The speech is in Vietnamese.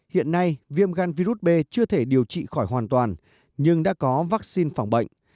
hiện nay viêm gan virus b chưa thể điều trị khỏi hoàn toàn nhưng đã có vaccine phòng bệnh